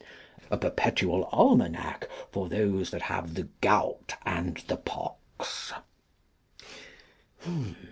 A perpetual Almanack for those that have the gout and the pox.